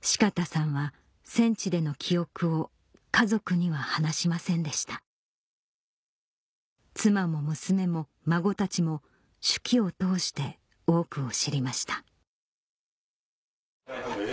鹿田さんは戦地での記憶を家族には話しませんでした妻も娘も孫たちも手記を通して多くを知りました